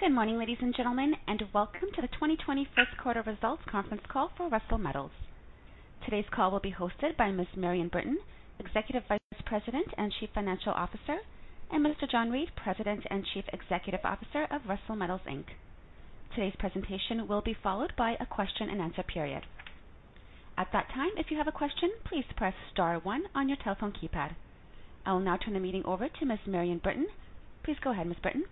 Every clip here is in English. Good morning, ladies and gentlemen, and welcome to the 2020 first quarter results conference call for Russel Metals. Today's call will be hosted by Ms. Marion Britton, Executive Vice President and Chief Financial Officer, and Mr. John Reid, President and Chief Executive Officer of Russel Metals Inc. Today's presentation will be followed by a question and answer period. At that time, if you have a question, please press star one on your telephone keypad. I will now turn the meeting over to Ms. Marion Britton. Please go ahead, Ms. Britton.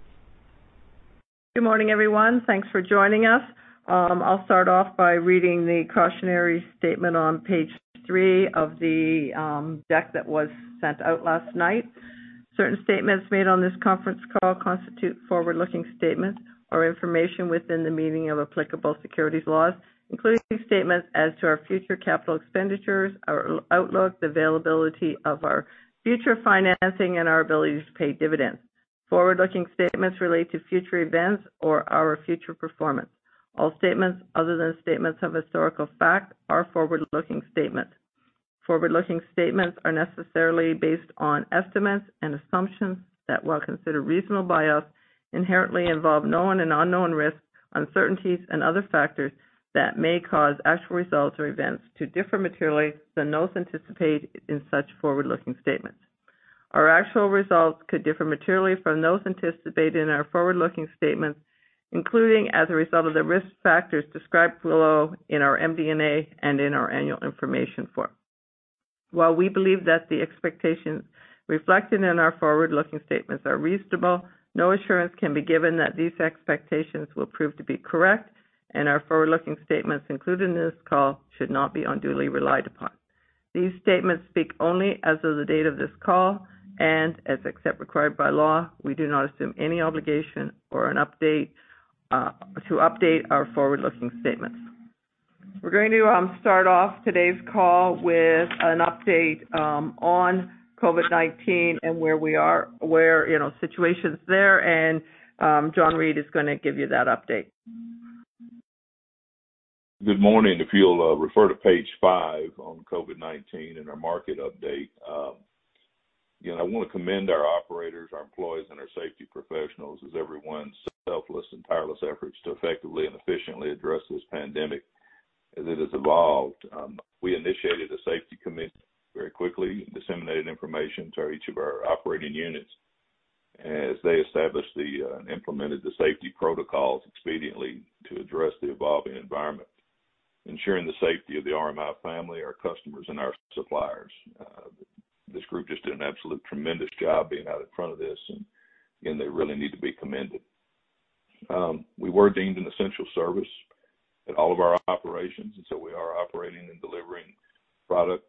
Good morning, everyone. Thanks for joining us. I'll start off by reading the cautionary statement on page three of the deck that was sent out last night. Certain statements made on this conference call constitute forward-looking statements or information within the meaning of applicable securities laws, including statements as to our future capital expenditures, our outlook, the availability of our future financing, and our ability to pay dividends. Forward-looking statements relate to future events or our future performance. All statements other than statements of historical fact are forward-looking statements. Forward-looking statements are necessarily based on estimates and assumptions that, while considered reasonable by us, inherently involve known and unknown risks, uncertainties, and other factors that may cause actual results or events to differ materially than those anticipated in such forward-looking statements. Our actual results could differ materially from those anticipated in our forward-looking statements, including as a result of the risk factors described below in our MD&A and in our annual information form. While we believe that the expectations reflected in our forward-looking statements are reasonable, no assurance can be given that these expectations will prove to be correct, and our forward-looking statements included in this call should not be unduly relied upon. These statements speak only as of the date of this call, and except as required by law, we do not assume any obligation to update our forward-looking statements. We're going to start off today's call with an update on COVID-19 and where we are, where situations there, and John Reid is going to give you that update. Good morning. If you'll refer to page five on COVID-19 and our market update. I want to commend our operators, our employees, and our safety professionals as everyone's selfless and tireless efforts to effectively and efficiently address this pandemic as it has evolved. We initiated a safety committee very quickly and disseminated information to each of our operating units as they established and implemented the safety protocols expediently to address the evolving environment, ensuring the safety of the RMI family, our customers, and our suppliers. This group just did an absolute tremendous job being out in front of this, and they really need to be commended. We were deemed an essential service at all of our operations, and so we are operating and delivering product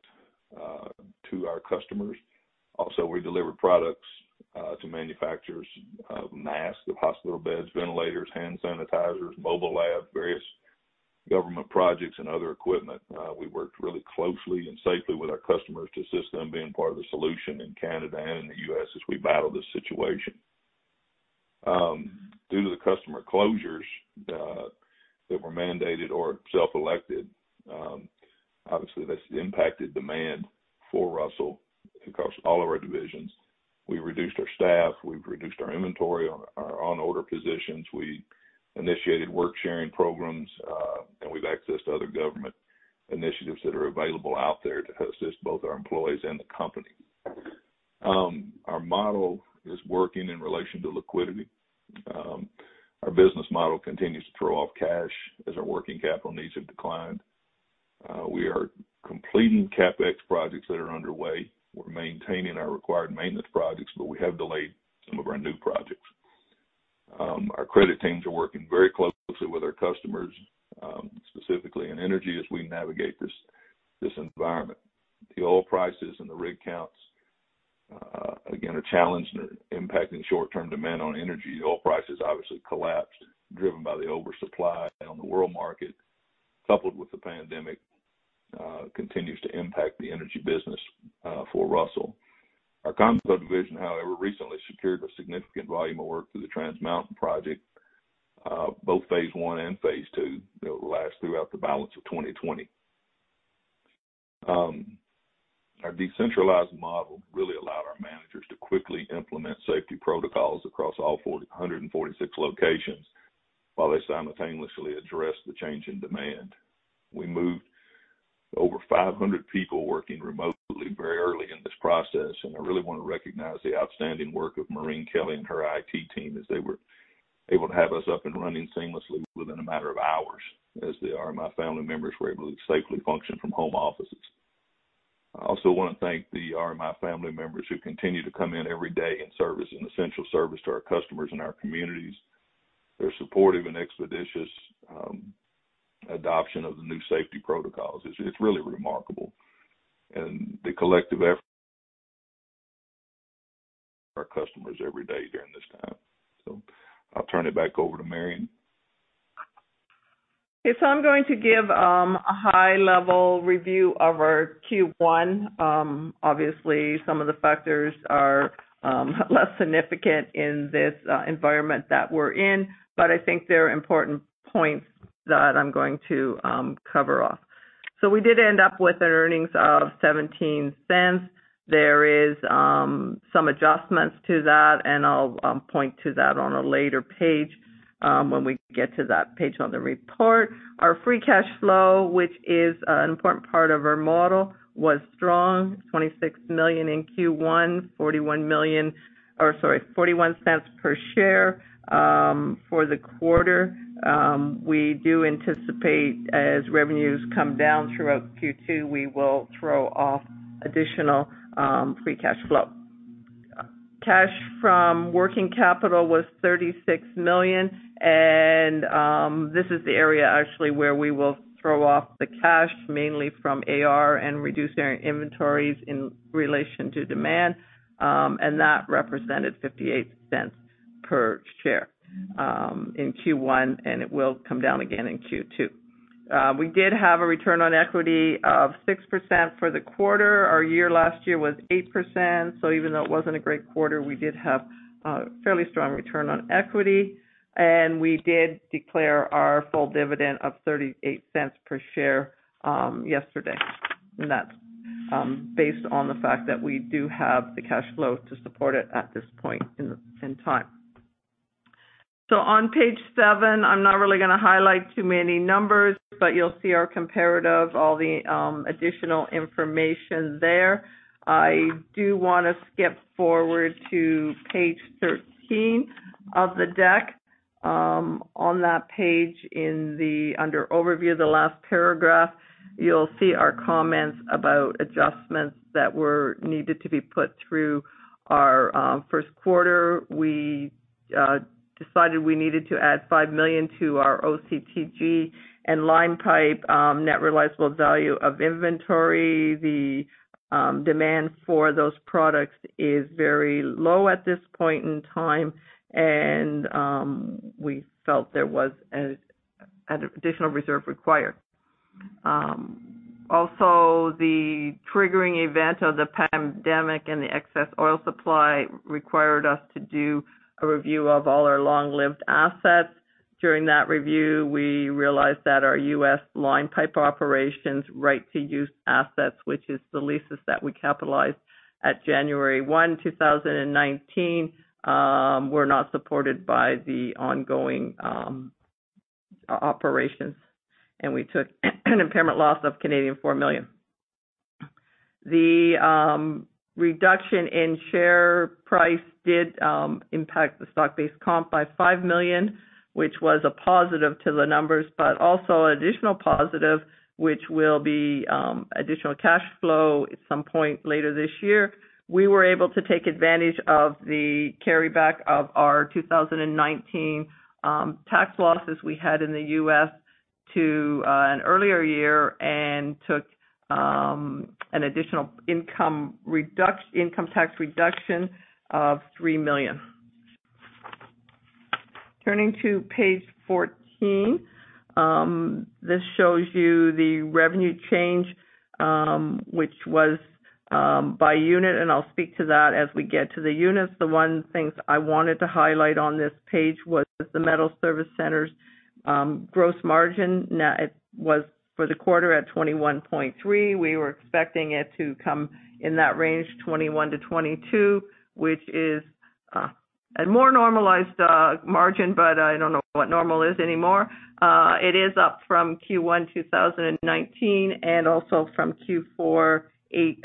to our customers. Also, we delivered products to manufacturers of masks, of hospital beds, ventilators, hand sanitizers, mobile labs, various government projects, and other equipment. We worked really closely and safely with our customers to assist them in being part of the solution in Canada and in the U.S. as we battle this situation. Due to the customer closures that were mandated or self-elected, obviously, this impacted demand for Russel across all of our divisions. We reduced our staff, we've reduced our inventory on our on-order positions. We initiated work-sharing programs, we've accessed other government initiatives that are available out there to assist both our employees and the company. Our model is working in relation to liquidity. Our business model continues to throw off cash as our working capital needs have declined. We are completing CapEx projects that are underway. We're maintaining our required maintenance projects, we have delayed some of our new projects. Our credit teams are working very closely with our customers, specifically in energy, as we navigate this environment. The oil prices and the rig counts again are challenged and are impacting short-term demand on energy. Oil prices obviously collapsed, driven by the oversupply on the world market, coupled with the pandemic, continues to impact the energy business for Russel. Our construction division, however, recently secured a significant volume of work through the Trans Mountain project, both phase I and phase II that will last throughout the balance of 2020. Our decentralized model really allowed our managers to quickly implement safety protocols across all 146 locations while they simultaneously addressed the change in demand. We moved over 500 people working remotely very early in this process, and I really want to recognize the outstanding work of Maureen Kelly and her IT team as they were able to have us up and running seamlessly within a matter of hours as the RMI family members were able to safely function from home offices. I also want to thank the RMI family members who continue to come in every day and service an essential service to our customers and our communities. Their supportive and expeditious adoption of the new safety protocols. It's really remarkable and the collective effort our customers every day during this time. I'll turn it back over to Marion. Okay, I'm going to give a high level review of our Q1. Obviously, some of the factors are less significant in this environment that we're in, but I think they're important points that I'm going to cover off. We did end up with an earnings of 0.17. There is some adjustments to that, and I'll point to that on a later page when we get to that page on the report. Our free cash flow, which is an important part of our model, was strong, 26 million in Q1, 0.41 per share for the quarter. We do anticipate as revenues come down throughout Q2, we will throw off additional free cash flow. Cash from working capital was 36 million, and this is the area actually where we will throw off the cash, mainly from AR and reducing our inventories in relation to demand. That represented 0.58 per share in Q1, it will come down again in Q2. We did have a return on equity of 6% for the quarter. Our year last year was 8%, so even though it wasn't a great quarter, we did have a fairly strong return on equity, and we did declare our full dividend of 0.38 per share yesterday. That's based on the fact that we do have the cash flow to support it at this point in time. On page seven, I'm not really going to highlight too many numbers, but you'll see our comparative, all the additional information there. I do want to skip forward to page 13 of the deck. On that page under overview of the last paragraph, you'll see our comments about adjustments that were needed to be put through our first quarter. We decided we needed to add 5 million to our OCTG and line pipe net realizable value of inventory. The demand for those products is very low at this point in time, and we felt there was an additional reserve required. The triggering event of the pandemic and the excess oil supply required us to do a review of all our long-lived assets. During that review, we realized that our U.S. line pipe operations right to use assets, which is the leases that we capitalized at January 1, 2019, were not supported by the ongoing operations, and we took an impairment loss of 4 million. The reduction in share price did impact the stock-based comp by 5 million, which was a positive to the numbers, but also an additional positive, which will be additional cash flow at some point later this year. We were able to take advantage of the carryback of our 2019 tax losses we had in the U.S. to an earlier year and took an additional income tax reduction of 3 million. Turning to page 14, this shows you the revenue change, which was by unit, and I'll speak to that as we get to the units. The one thing I wanted to highlight on this page was the metal service centers. Gross margin for the quarter at 21.3%, we were expecting it to come in that range, 21%-22%, which is a more normalized margin, but I don't know what normal is anymore. It is up from Q1 2019 and also from Q4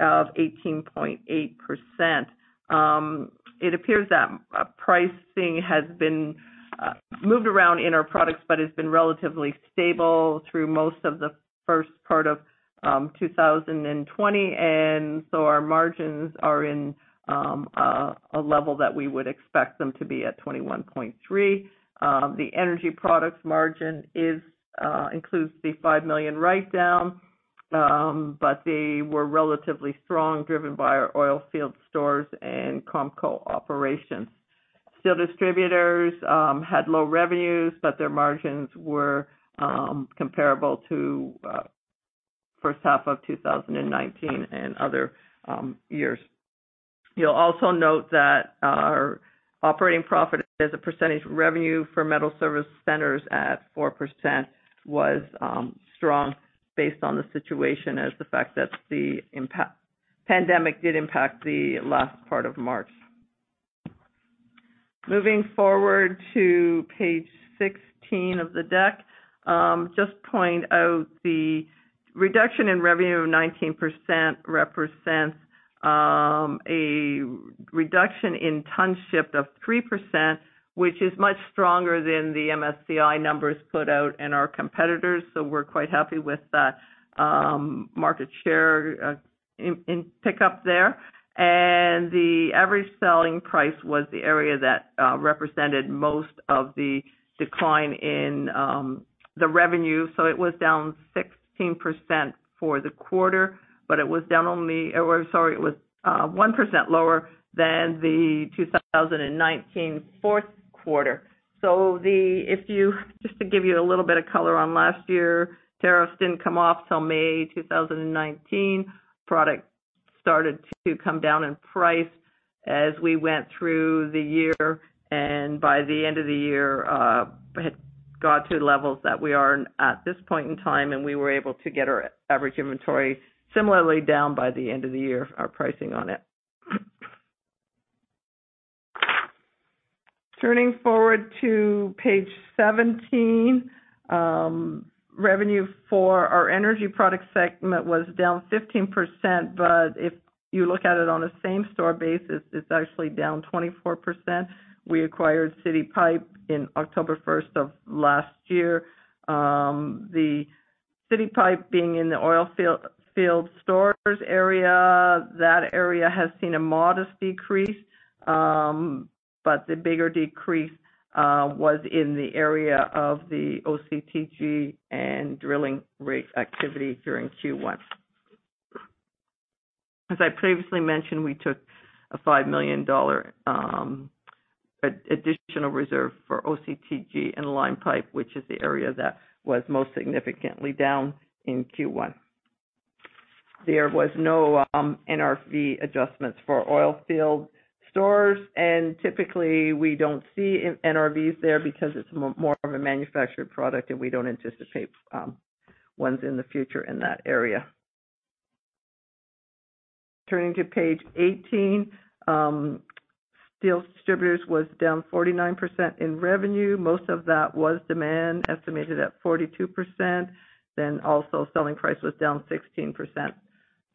of 18.8%. It appears that pricing has been moved around in our products but has been relatively stable through most of the first part of 2020, our margins are in a level that we would expect them to be at 21.3%. The energy products margin includes the 5 million write down, they were relatively strong, driven by our oil field stores and Comco operations. Steel distributors had low revenues, their margins were comparable to first half of 2019 and other years. You'll also note that our operating profit as a percentage of revenue for metal service centers at 4% was strong based on the situation as the fact that the pandemic did impact the last part of March. Moving forward to page 16 of the deck, just point out the reduction in revenue of 19% represents a reduction in tons shipped of 3%, which is much stronger than the MSCI numbers put out and our competitors. We're quite happy with that market share in pickup there. The average selling price was the area that represented most of the decline in the revenue. It was down 16% for the quarter, but it was 1% lower than the 2019 fourth quarter. Just to give you a little bit of color on last year, tariffs didn't come off till May 2019. Product started to come down in price as we went through the year, and by the end of the year, had got to levels that we are at this point in time, and we were able to get our average inventory similarly down by the end of the year, our pricing on it. Turning forward to page 17. Revenue for our energy product segment was down 15%. If you look at it on a same-store basis, it's actually down 24%. We acquired City Pipe in October 1st of last year. The City Pipe being in the oil field stores area, that area has seen a modest decrease. The bigger decrease was in the area of the OCTG and drilling rig activity during Q1. As I previously mentioned, we took a 5 million dollar additional reserve for OCTG and line pipe, which is the area that was most significantly down in Q1. There was no NRV adjustments for oil field stores, and typically we don't see NRVs there because it's more of a manufactured product and we don't anticipate ones in the future in that area. Turning to page 18. Steel distributors was down 49% in revenue. Most of that was demand, estimated at 42%. Also selling price was down 16%,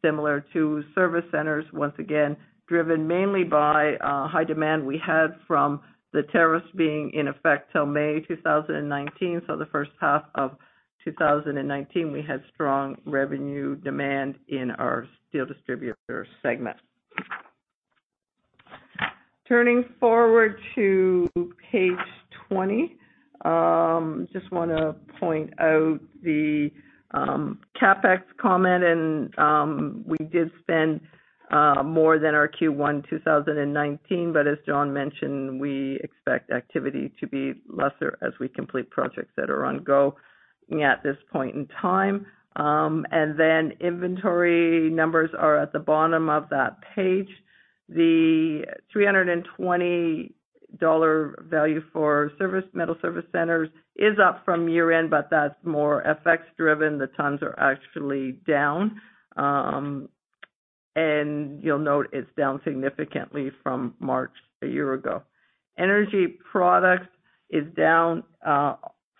similar to service centers, once again, driven mainly by high demand we had from the tariffs being in effect till May 2019. The first half of 2019, we had strong revenue demand in our steel distributor segment. Turning forward to page 20. Just want to point out the CapEx comment, and we did spend more than our Q1 2019, but as John mentioned, we expect activity to be lesser as we complete projects that are on go at this point in time. Inventory numbers are at the bottom of that page. The 320 dollar value for metal service centers is up from year-end, but that's more FX driven. The tons are actually down. You'll note it's down significantly from March a year ago. Energy product is down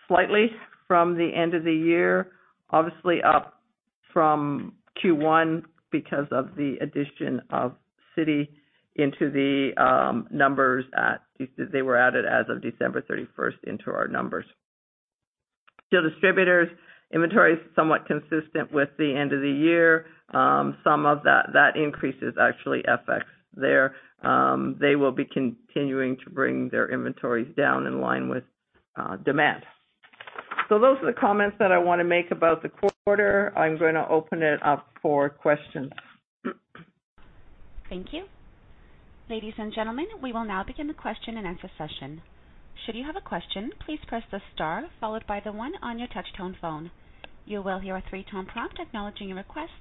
slightly from the end of the year, obviously up from Q1 because of the addition of City into the numbers. They were added as of December 31st into our numbers. Steel distributors inventory is somewhat consistent with the end of the year. Some of that increase is actually FX there. They will be continuing to bring their inventories down in line with demand. Those are the comments that I want to make about the quarter. I'm going to open it up for questions. Thank you. Ladies and gentlemen, we will now begin the question and answer session. Should you have a question, please press the star followed by the one on your touch tone phone. You will hear a three-tone prompt acknowledging your request.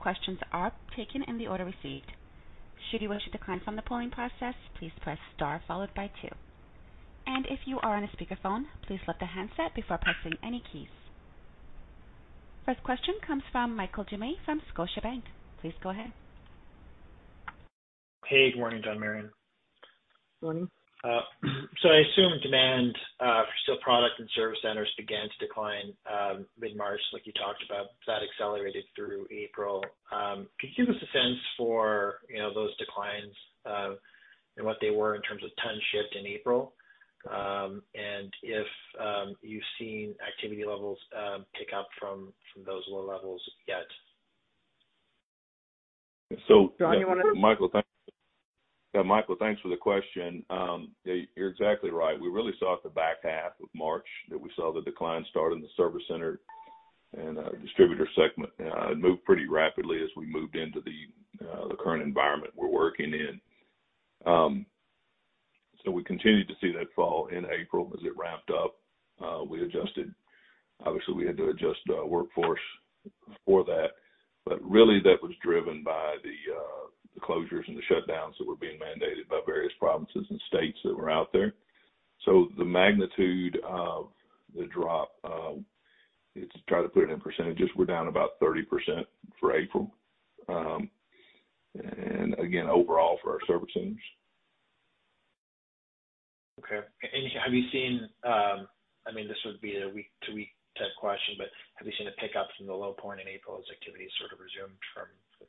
Questions are taken in the order received. Should you wish to decline from the polling process, please press star followed by two. If you are on a speakerphone, please lift the handset before pressing any keys. First question comes from Michael Doumet from Scotiabank. Please go ahead. Hey, good morning, John, Marion. Morning. I assume demand for steel product and service centers began to decline mid-March, like you talked about, that accelerated through April. Could you give us a sense for those declines and what they were in terms of ton shipped in April, and if you've seen activity levels pick up from those low levels yet? John. Michael, thanks for the question. You're exactly right. We really saw at the back half of March that we saw the decline start in the service center and our distributor segment. It moved pretty rapidly as we moved into the current environment we're working in. We continued to see that fall in April as it wrapped up. Obviously, we had to adjust workforce for that. Really that was driven by the closures and the shutdowns that were being mandated by various provinces and states that were out there. The magnitude of the drop, to try to put it in percentages, we're down about 30% for April. Again, overall for our service centers. Okay. This would be a week-to-week type question, but have you seen a pickup from the low point in April as activity sort of resumed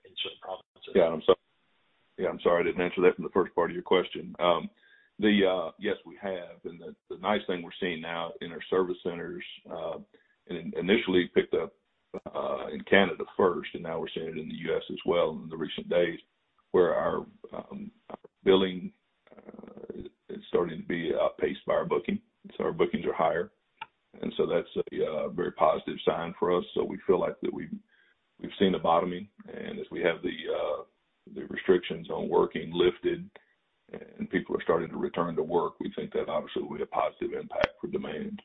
in certain provinces? Yeah, I'm sorry I didn't answer that in the first part of your question. Yes, we have, and the nice thing we're seeing now in our service centers, and it initially picked up in Canada first, and now we're seeing it in the U.S. as well in the recent days, where our billing is starting to be outpaced by our booking. Our bookings are higher. That's a very positive sign for us. We feel like that we've seen a bottoming, and as we have the restrictions on working lifted and people are starting to return to work, we think that obviously will be a positive impact for demand.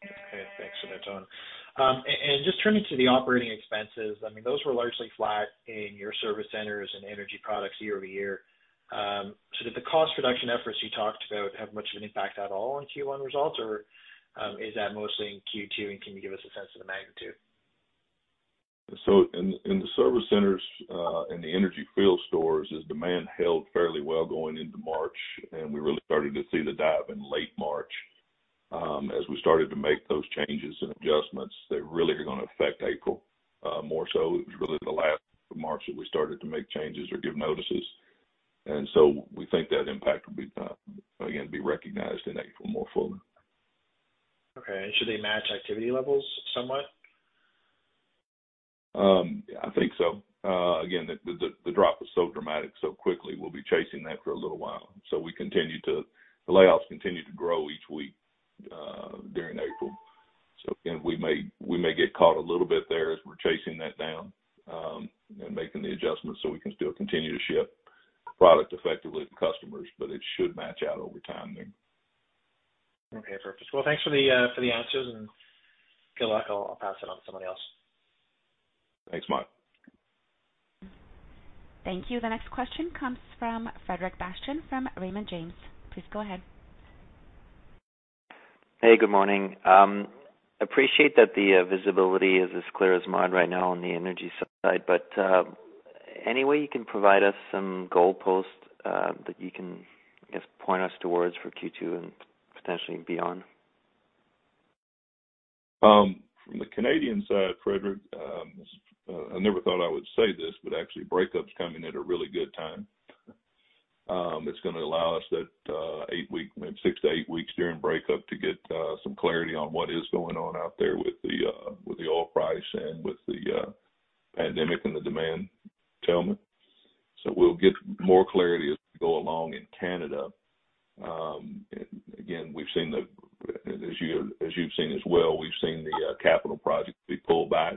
Thanks for the color. Just turning to the operating expenses, those were largely flat in your service centers and energy products year-over-year. Did the cost reduction efforts you talked about have much of an impact at all on Q1 results? Or is that mostly in Q2, and can you give us a sense of the magnitude? In the service centers, in the energy field stores, as demand held fairly well going into March, and we really started to see the dive in late March, as we started to make those changes and adjustments that really are going to affect April more so. It was really the last of March that we started to make changes or give notices. We think that impact will, again, be recognized in April more fully. Okay. Should they match activity levels somewhat? I think so. The drop was so dramatic so quickly, we'll be chasing that for a little while. The layoffs continue to grow each week during April. We may get caught a little bit there as we're chasing that down, and making the adjustments so we can still continue to ship product effectively to customers, but it should match out over time there. Okay, perfect. Well, thanks for the answers and good luck. I'll pass it on to somebody else. Thanks, Mike. Thank you. The next question comes from Frederic Bastien from Raymond James. Please go ahead. Hey, good morning. Appreciate that the visibility is as clear as mud right now on the energy side. Any way you can provide us some goalposts that you can, I guess, point us towards for Q2 and potentially beyond? From the Canadian side, Frederic, I never thought I would say this, but actually breakup's coming at a really good time. It's going to allow us that six to eight weeks during breakup to get some clarity on what is going on out there with the oil price and with the pandemic and the demand betterment. We'll get more clarity as we go along in Canada. Again, as you've seen as well, we've seen the capital projects be pulled back.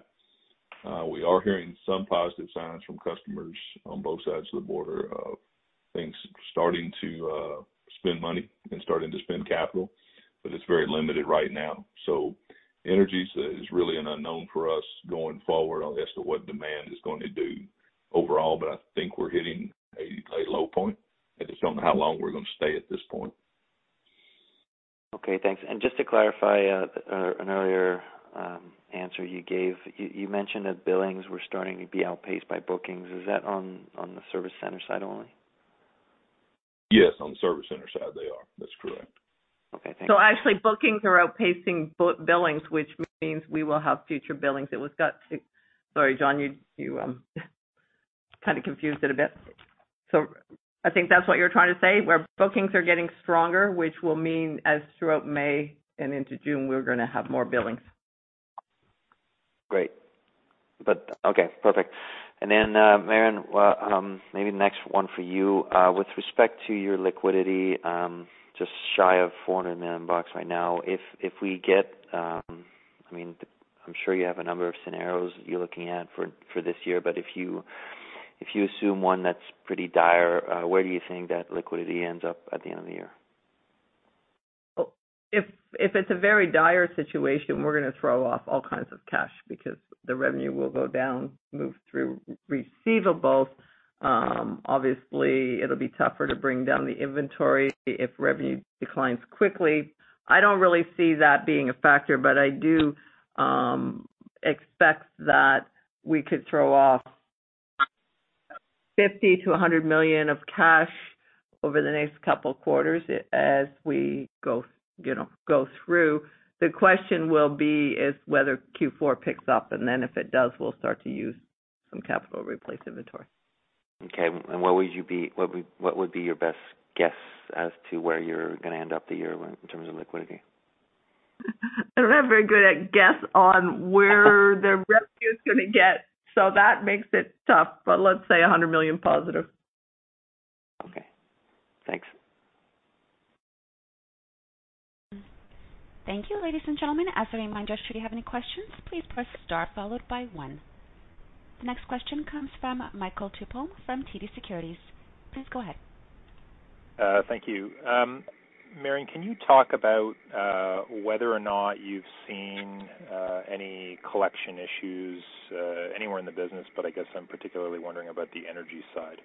We are hearing some positive signs from customers on both sides of the border of things starting to spend money and starting to spend capital, but it's very limited right now. Energy is really an unknown for us going forward as to what demand is going to do overall. I think we're hitting a low point. I just don't know how long we're going to stay at this point. Okay, thanks. Just to clarify an earlier answer you gave, you mentioned that billings were starting to be outpaced by bookings. Is that on the service center side only? Yes, on the service center side they are. That's correct. Okay, thanks. Actually, bookings are outpacing billings, which means we will have future billings. Sorry, John, you kind of confused it a bit. I think that's what you're trying to say, where bookings are getting stronger, which will mean as throughout May and into June, we're going to have more billings. Great. Okay, perfect. Then, Marion, maybe the next one for you. With respect to your liquidity, just shy of 400 million bucks right now. I'm sure you have a number of scenarios that you're looking at for this year, but if you assume one that's pretty dire, where do you think that liquidity ends up at the end of the year? If it's a very dire situation, we're going to throw off all kinds of cash because the revenue will go down, move through receivables. Obviously, it'll be tougher to bring down the inventory if revenue declines quickly. I don't really see that being a factor, but I do expect that we could throw off 50 million-100 million of cash over the next couple of quarters as we go through. The question will be is whether Q4 picks up, and then if it does, we'll start to use some capital to replace inventory. Okay. What would be your best guess as to where you're going to end up the year in terms of liquidity? I'm not very good at guess on where the revenue's going to get, so that makes it tough. Let's say 100 million+. Okay. Thanks. Thank you. Ladies and gentlemen, as a reminder, should you have any questions, please press star followed by one. The next question comes from Michael Tupholme from TD Securities. Please go ahead. Thank you. Marion, can you talk about whether or not you've seen any collection issues anywhere in the business, I guess I'm particularly wondering about the energy side.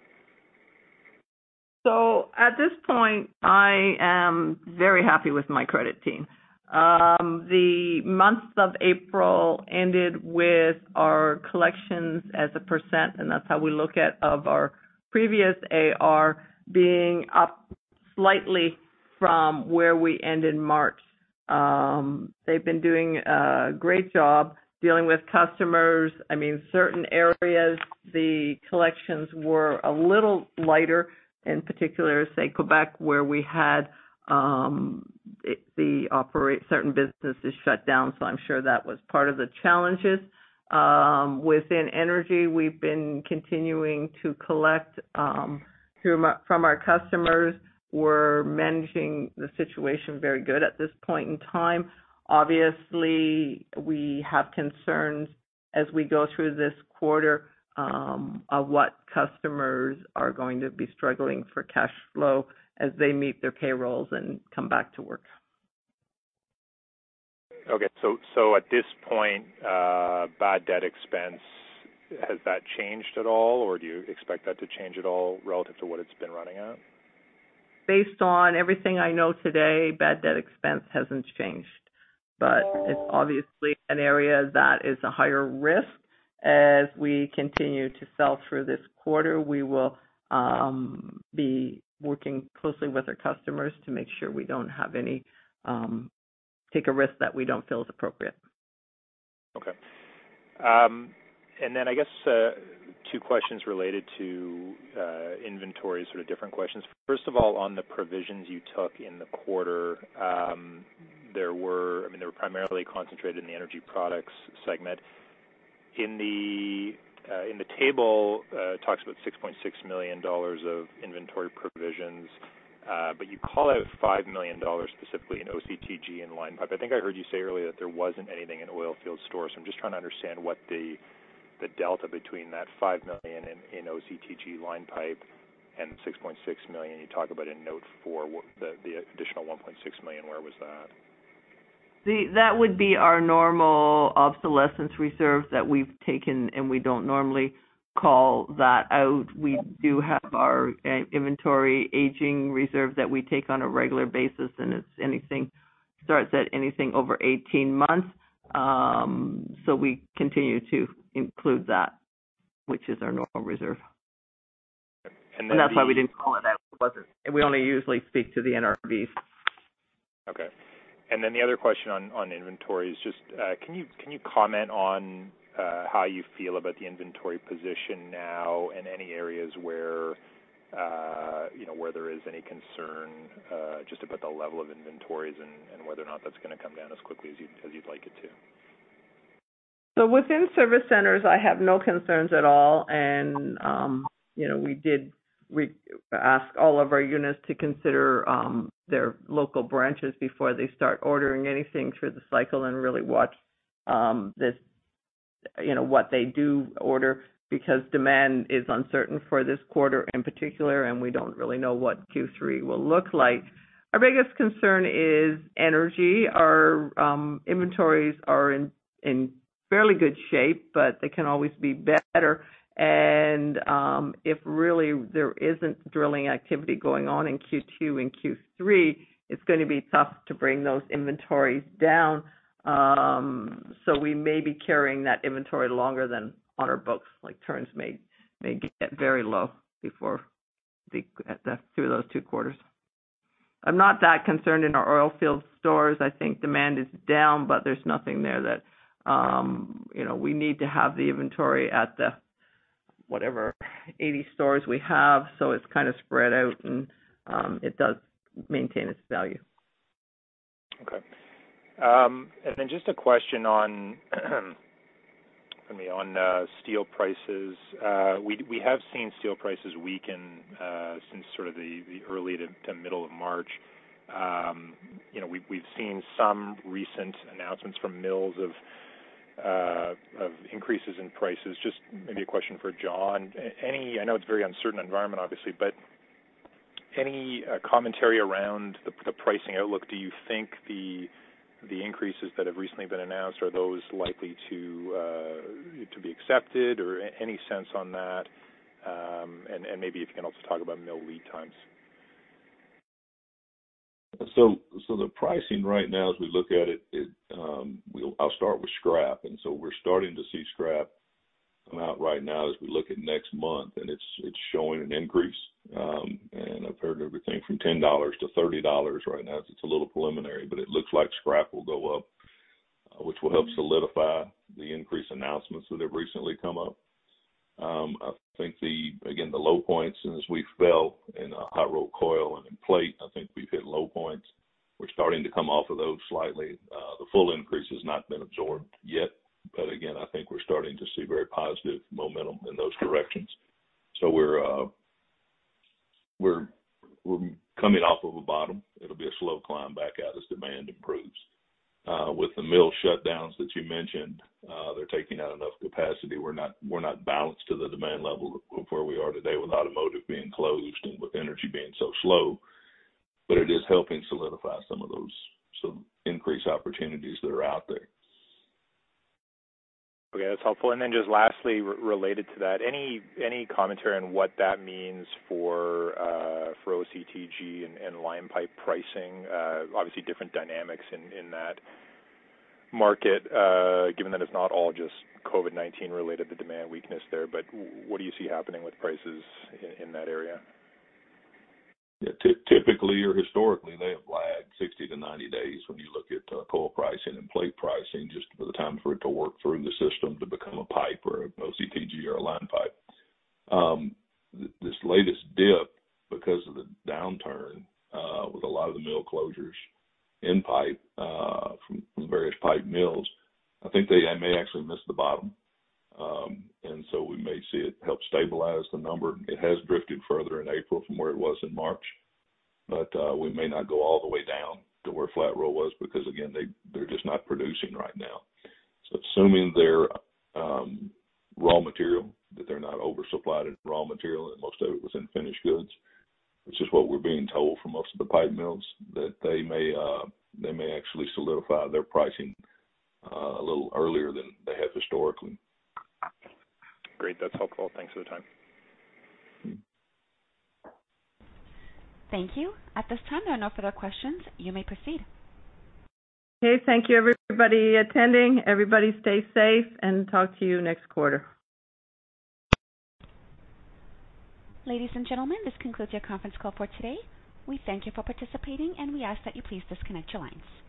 At this point, I am very happy with my credit team. The month of April ended with our collections as a percent, and that's how we look at of our previous AR being up slightly from where we end in March. They've been doing a great job dealing with customers. Certain areas, the collections were a little lighter, in particular, say Quebec, where we had certain businesses shut down, so I'm sure that was part of the challenges. Within energy, we've been continuing to collect from our customers. We're managing the situation very good at this point in time. Obviously, we have concerns as we go through this quarter, of what customers are going to be struggling for cash flow as they meet their payrolls and come back to work. Okay. At this point, bad debt expense, has that changed at all, or do you expect that to change at all relative to what it's been running at? Based on everything I know today, bad debt expense hasn't changed. It's obviously an area that is a higher risk. As we continue to sell through this quarter, we will be working closely with our customers to make sure we don't take a risk that we don't feel is appropriate. Okay. I guess, two questions related to inventory, sort of different questions. First of all, on the provisions you took in the quarter, they were primarily concentrated in the energy products segment. In the table, it talks about 6.6 million dollars of inventory provisions. You call out 5 million dollars specifically in OCTG and line pipe. I think I heard you say earlier that there wasn't anything in oil field stores. So I'm just trying to understand what the delta between that 5 million in OCTG line pipe and the 6.6 million you talk about in note four, the additional 1.6 million, where was that? That would be our normal obsolescence reserve that we've taken. We don't normally call that out. We do have our inventory aging reserve that we take on a regular basis. It's anything over 18 months. We continue to include that, which is our normal reserve. And then the- That's why we didn't call it out. We only usually speak to the NRV. Okay. The other question on inventory is just, can you comment on how you feel about the inventory position now and any areas where there is any concern, just about the level of inventories and whether or not that's going to come down as quickly as you'd like it to? Within service centers, I have no concerns at all, and we did ask all of our units to consider their local branches before they start ordering anything through the cycle and really watch what they do order, because demand is uncertain for this quarter in particular, and we don't really know what Q3 will look like. Our biggest concern is energy. Our inventories are in fairly good shape, but they can always be better. If really there isn't drilling activity going on in Q2 and Q3, it's going to be tough to bring those inventories down. We may be carrying that inventory longer than on our books, like turns may get very low through those two quarters. I'm not that concerned in our oil field stores. I think demand is down, there's nothing there that we need to have the inventory at the whatever 80 stores we have. It's kind of spread out, and it does maintain its value. Okay. Just a question on steel prices. We have seen steel prices weaken since the early to middle of March. We've seen some recent announcements from mills of increases in prices. Just maybe a question for John. I know it's a very uncertain environment, obviously, but any commentary around the pricing outlook? Do you think the increases that have recently been announced, are those likely to be accepted, or any sense on that? Maybe if you can also talk about mill lead times. The pricing right now as we look at it, I'll start with scrap. We're starting to see scrap come out right now as we look at next month, and it's showing an increase. I've heard everything from 10 dollars to 30 dollars right now, so it's a little preliminary, but it looks like scrap will go up, which will help solidify the increase announcements that have recently come up. I think, again, the low points, and as we fell in hot-rolled coil and in plate, I think we've hit low points. We're starting to come off of those slightly. The full increase has not been absorbed yet. Again, I think we're starting to see very positive momentum in those directions. We're coming off of a bottom. It'll be a slow climb back out as demand improves. With the mill shutdowns that you mentioned, they're taking out enough capacity. We're not balanced to the demand level of where we are today with automotive being closed and with energy being so slow. It is helping solidify some of those increase opportunities that are out there. Okay. That's helpful. Then just lastly, related to that, any commentary on what that means for OCTG and line pipe pricing? Obviously different dynamics in that market, given that it's not all just COVID-19 related, the demand weakness there, but what do you see happening with prices in that area? Yeah. Typically or historically, they have lagged 60 days-90 days when you look at coil pricing and plate pricing, just for the time for it to work through the system to become a pipe or an OCTG or a line pipe. This latest dip, because of the downturn, with a lot of the mill closures in pipe, from the various pipe mills, I think they may actually miss the bottom. We may see it help stabilize the number. It has drifted further in April from where it was in March. We may not go all the way down to where flat roll was because again, they're just not producing right now. Assuming their raw material, that they're not oversupplied in raw material, and most of it was in finished goods, which is what we're being told from most of the pipe mills, that they may actually solidify their pricing a little earlier than they have historically. Great. That's helpful. Thanks for the time. Thank you. At this time, there are no further questions. You may proceed. Okay. Thank you, everybody attending. Everybody stay safe, and talk to you next quarter. Ladies and gentlemen, this concludes your conference call for today. We thank you for participating, and we ask that you please disconnect your lines.